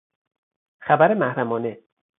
خبر محرمانه